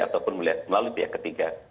ataupun melalui pihak ketiga